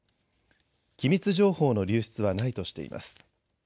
機密情報の流出はないとしています。